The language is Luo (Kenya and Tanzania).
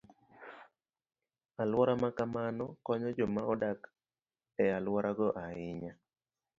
Alwora ma kamano konyo joma odak e alworago ahinya.